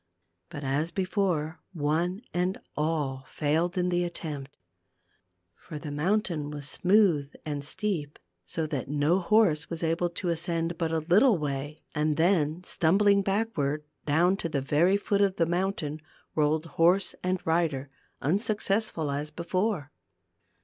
But as before one and all failed in the attempt. For the mountain was smooth and steep, so that no horse was able to ascend but a little way and then, stumbling backward, down to the very foot of the mountain rolled horse and rider, unsuccessful as before.